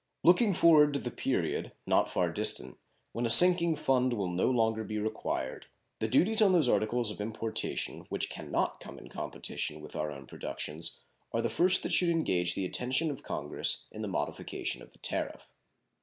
Looking forward to the period, not far distant, when a sinking fund will no longer be required, the duties on those articles of importation which can not come in competition with our own productions are the first that should engage the attention of Congress in the modification of the tariff.